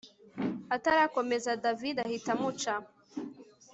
atarakomeza david ahita amuca